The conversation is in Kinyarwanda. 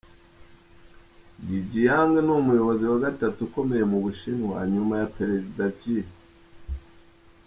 Dejiang ni umuyobozi wa gatatu ukomeye mu Bushinwa, nyuma ya Perezida Xi